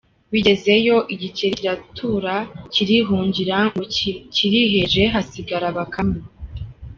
Bigezeyo, igikeri kiratura kirihungira ngo kiriheje, hasigara Bakame.